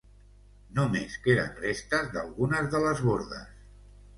Només queden restes d'algunes de les bordes.